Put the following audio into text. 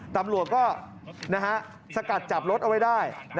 ตำรวจก็สกัดจับรถเอาไว้ได้